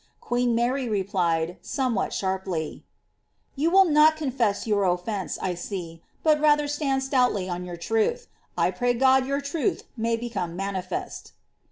^' Queen Mary replied, somewhat sliarply —^ You will not confess your offence, 1 see, but rather stand stoutly od your truth. 1 pray God your truth may become manifest!"